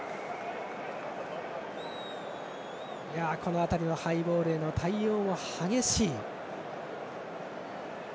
この辺りのハイボールへの対応も激しい。